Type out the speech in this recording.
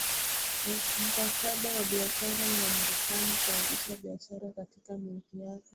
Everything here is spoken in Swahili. Mkataba wa Biashara na Wamerekani kuanzisha biashara katika milki yake